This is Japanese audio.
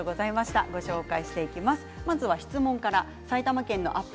まずは質問です。